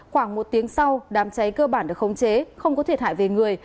khoảng một tiếng sau đám cháy cơ bản được khống chế không có thiệt hại về người